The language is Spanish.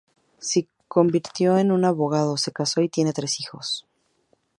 Se convirtió en un abogado, se casó y tiene tres hijos.